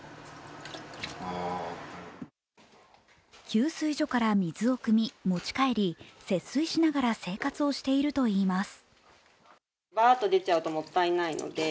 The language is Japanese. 給水所から水をくみ、持ち帰り節水しながら生活をしているといいます。